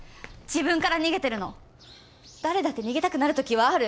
誰だって逃げたくなる時はある。